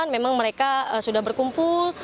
memang mereka sudah berkumpul